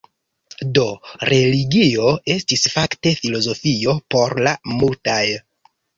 Do religio estis fakte filozofio por la multaj.